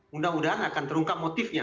mudah mudahan akan terungkap motifnya